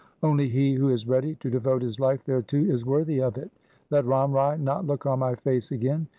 Only he who is ready to devote his life thereto is worthy of it. Let Ram Rai not look on my face again.